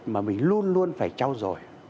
mà mình luôn luôn phải trao dồi